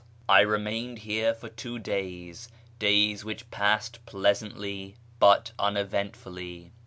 I remained here for two days — days which passed pleasantly but uneventfully.